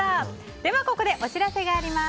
ではここでお知らせがあります。